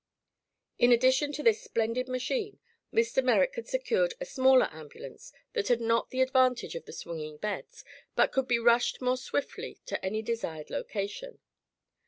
In addition to this splendid machine, Mr. Merrick had secured a smaller ambulance that had not the advantage of the swinging beds but could be rushed more swiftly to any desired location.